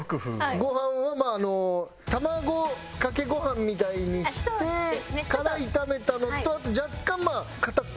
ご飯はまあ卵かけご飯みたいにしてから炒めたのとあと若干片栗。